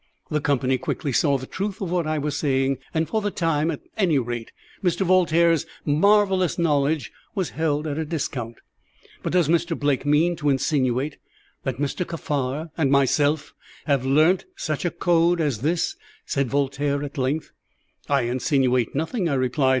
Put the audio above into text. The company quickly saw the truth of what I was saying, and for the time, at any rate, Mr. Voltaire's marvellous knowledge was held at a discount. "But does Mr. Blake mean to insinuate that Mr. Kaffar and myself have learnt such a code as this?" said Voltaire at length. "I insinuate nothing," I replied.